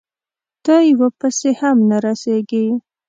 په یوه پسې هم سم نه رسېږي،